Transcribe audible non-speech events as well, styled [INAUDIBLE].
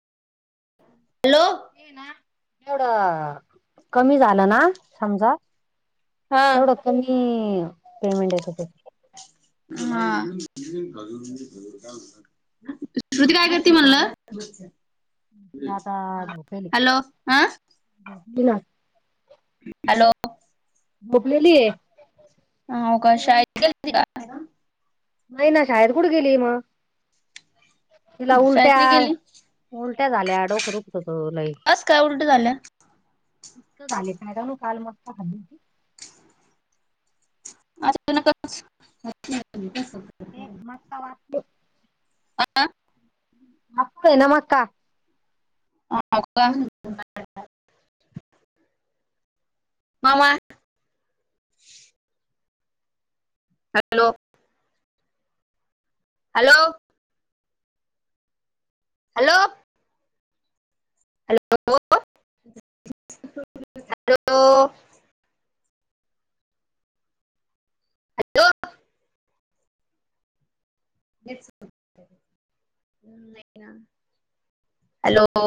Hello? [UNINTELLIGIBLE] एवढं कमी झालं ना समजा- हा तेवढं कमी पेमेंट येतय तेच. हा. श्रुती काय करती म्हणलं? मी आता झोपेली हॅलो? आ? [INAUDIBLE] हॅलो? झोपलेली ये. हाव का? शाळेत गेलती का? नाही ना, शाळेत कुठ गेली मग, तिला शाळेत नाही उलट्या- गेली उलट्या झाल्या, डोकं दुखत होत लई. का उलट्या झाल्या? पित्त झाले, [UNINTELLIGIBLE] काल मस्त खाली होती. [UNINTELLIGIBLE] ते एक मस्ता वाटली. [UNINTELLIGIBLE] [INAUDIBLE] [INAUDIBLE] Hello. Hello? Hello? Hello! Hello! Hello! लयच होतंय नेहा हॅलो!